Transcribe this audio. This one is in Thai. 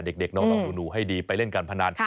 เด็กน้องหนูให้ดีไปเล่นการพนัน